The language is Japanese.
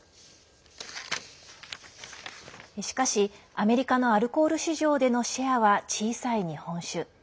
しかし、アメリカのアルコール市場でのシェアは小さい日本酒。